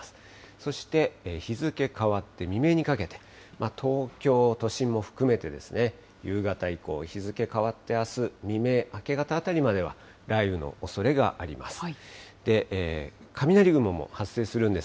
そして日付変わって未明にかけて、東京都心も含めて、夕方以降、日付変わって、あす未明、明け方あたりまでは雷雨のおそれがあります。